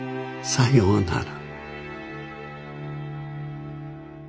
さようなら。